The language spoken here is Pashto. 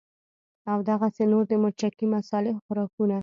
او دغسې نور د مرچکي مصالو خوراکونه